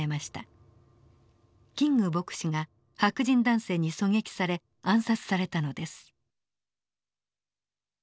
キング牧師が白人男性に狙撃され暗殺されたのです。